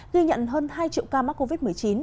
ghi nhận hơn hai triệu ca mắc covid một mươi chín